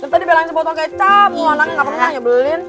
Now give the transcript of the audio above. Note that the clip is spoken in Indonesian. tadi belain si botol kecap mau ngomongin apa ngomongin aja